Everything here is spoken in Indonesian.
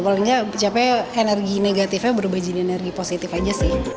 paling nggak capek energi negatifnya berubah jadi energi positif aja sih